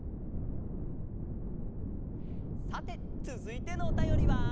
さてつづいてのおたよりは？